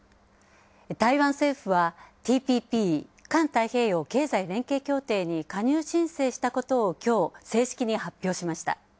台湾政府は、ＴＰＰ＝環太平洋経済連携協定に加入申請したことをきょう、正式に発表しました。